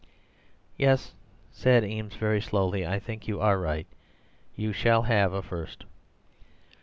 "'Yes,' said Eames very slowly, 'I think you are right. You shall have a First!